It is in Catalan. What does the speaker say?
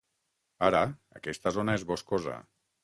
Ara, aquesta zona és boscosa.